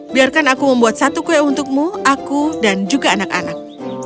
biarkan aku membuat satu kue untukmu aku dan juga anak anak